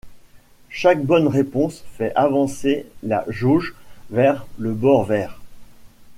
Chaque bonne réponse fait avancer la jauge vers le bord vert.